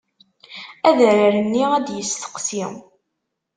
Adrar-nni ad d-yesteqsi.